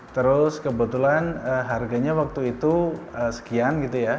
terus kebetulan harganya waktu itu sekian gitu ya